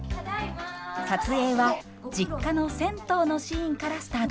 撮影は実家の銭湯のシーンからスタートしました。